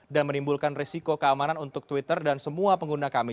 dan menimbulkan risiko keamanan untuk twitter dan semua pengguna kami